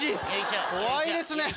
怖いですね。